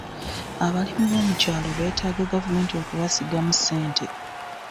Abalimi b'omu byalo beetaga gavumenti okubasigamu ssente.